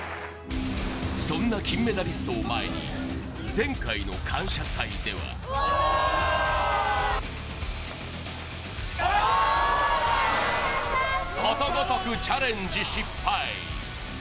そんな金メダリストを前に前回の「感謝祭」ではことごとくチャレンジ失敗。